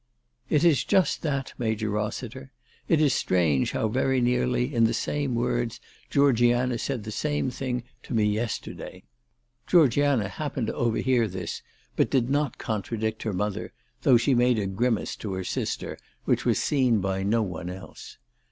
"It is just that, Major Eossiter. It is strange how very nearly in the same words Georgiana said the same 348 ALICE DUGDALE. thing to me yesterday." Georgiana happened to over hear this, but did not contradict her mother, though she made a grimace to her sister which was seen by no one else.